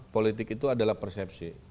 politik itu adalah persepsi